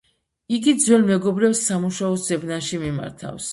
იგი ძველ მეგობრებს სამუშაოს ძებნაში მიმართავს.